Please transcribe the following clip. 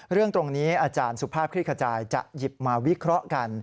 เรื่องตรงนี้อาจารย์สุภาพคลิกขจายจะหยิบมาวิเคราะห์กัน